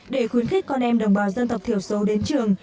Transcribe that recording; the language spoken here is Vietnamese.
để khuyến khích con em đồng bào dân tộc thiểu số đến trường